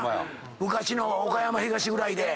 昔の岡山東ぐらいで。